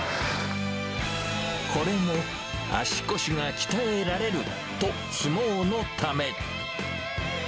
これも足腰が鍛えられると、相撲のため。